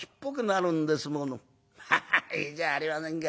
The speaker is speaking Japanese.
『ハハッいいじゃありませんか。